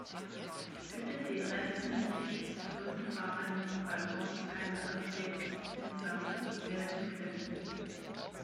Bitte die Rechner nicht herunterfahren, weil sonst keine Updates installiert werden können!